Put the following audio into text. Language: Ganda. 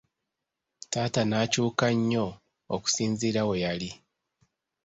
Taata n'akyuka nnyo okusinziira we yali.